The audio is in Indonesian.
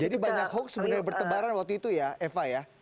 jadi banyak hoax sebenarnya bertebaran waktu itu ya eva ya